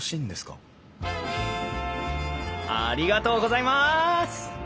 ありがとうございます！